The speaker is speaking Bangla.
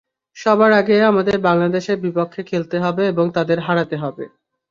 সবার আগে আমাদের বাংলাদেশের বিপক্ষে খেলতে হবে এবং তাদের হারাতে হবে।